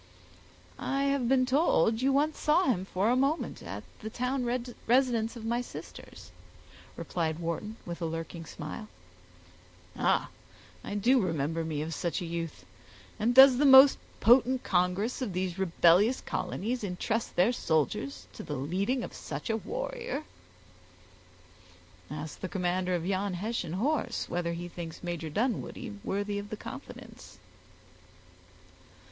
"I have been told you once saw him for a moment, at the town residence of my sisters," replied Wharton, with a lurking smile. "Ah! I do remember me of such a youth; and does the most potent congress of these rebellious colonies intrust their soldiers to the leading of such a warrior!" "Ask the commander of yon Hessian horse, whether he thinks Major Dunwoodie worthy of the confidence."